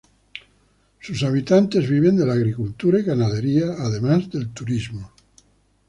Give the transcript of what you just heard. Sus habitantes viven de la agricultura y ganadería, además del turismo.